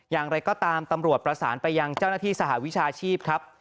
อย่างไรก็ตามตำรวจประสานไปยังเจ้าหน้าที่สหวิชาชีพครับ